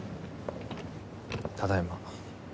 ただいま。